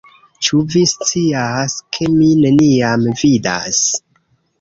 Ĉu vi scias, ke mi neniam vidas